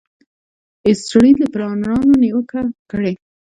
ایسټرلي د پلانرانو نیوکه کړې.